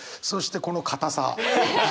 そしてこのかたさ。